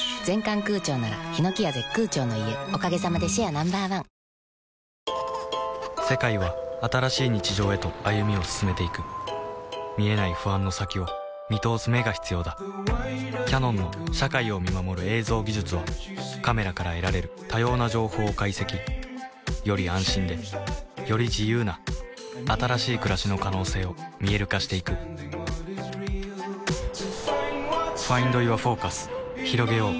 ＦｏｒＥａｒｔｈ，ＦｏｒＬｉｆｅＫｕｂｏｔａ世界は新しい日常へと歩みを進めていく見えない不安の先を見通す眼が必要だキヤノンの社会を見守る映像技術はカメラから得られる多様な情報を解析より安心でより自由な新しい暮らしの可能性を見える化していくひろげよう